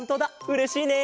うれしいね。